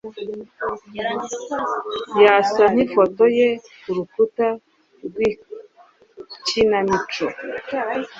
yasa nkifoto ye kurukuta rwikinamico